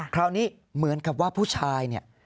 คราวนี้เหมือนกับว่าผู้ชายเนี่ย